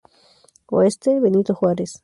Oeste: Benito Juárez.